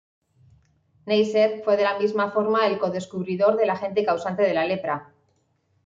Neisser fue de la misma forma el codescubridor del agente causante de la lepra.